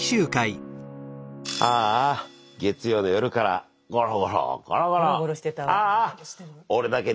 ああ月曜の夜からゴロゴロゴロゴロ。